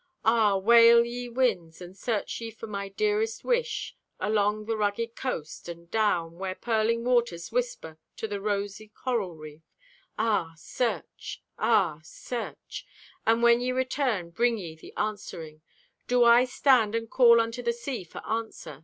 Ah, wail, ye winds, And search ye for my dearest wish Along the rugged coast, and down Where purling waters whisper To the rosy coral reef. Ah, search! Ah, search! And when ye return, bring ye the answering. Do I stand and call unto the sea for answer?